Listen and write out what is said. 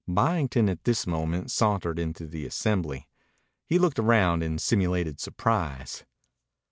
Byington, at this moment, sauntered into the assembly. He looked around in simulated surprise.